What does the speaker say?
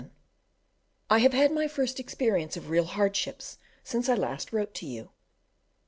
I have had my first experience of real hardships since I last wrote to you.